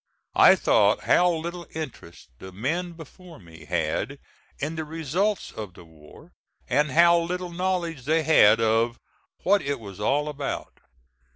I thought how little interest the men before me had in the results of the war, and how little knowledge they had of "what it was all about."